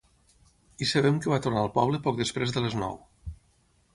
I sabem que va tornar al poble poc després de les nou.